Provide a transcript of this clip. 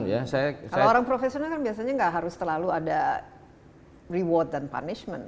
kalau orang profesional kan biasanya nggak harus selalu ada reward dan punishment